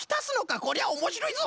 こりゃおもしろいぞ！